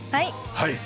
はい。